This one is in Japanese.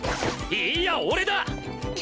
いいや俺だ！